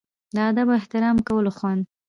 د ادب او احترام کولو خوند.